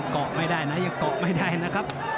เกรมยังก๊อกไม่ได้นะครับ